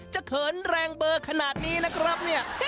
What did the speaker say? จะเผินแรงเบอร์ขนาดนี้นะครับ